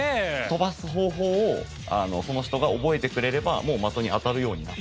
飛ばす方法をその人が覚えてくれればもう的に当たるようになる。